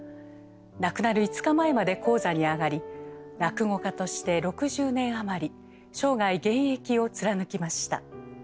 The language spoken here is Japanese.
亡くなる５日前まで高座に上がり落語家として６０年余り生涯現役を貫きました。